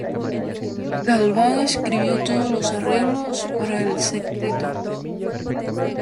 Galván escribió todos los arreglos para el septeto.